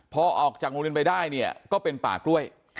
พอออกจากโรงเรียนไปได้เนี่ยก็เป็นป่ากล้วย